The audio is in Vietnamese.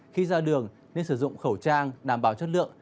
khi ra đường nên sử dụng khẩu trang đảm bảo chất lượng